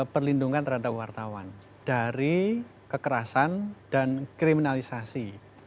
perlindungan terhadap wartawan dari kekerasan dan kriminalisasi